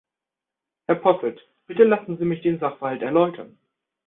Herr Posselt, bitte lassen Sie mich den Sachverhalt erläutern.